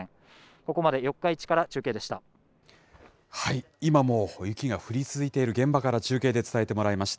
ここまで四日市から中継でした。